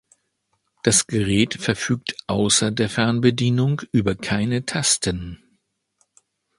Das Gerät verfügt außer der Fernbedienung über keine Tasten.